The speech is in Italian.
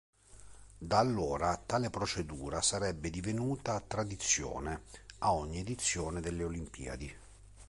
Da allora tale procedura sarebbe divenuta tradizione a ogni edizione delle Olimpiadi.